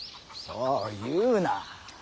そう言うな。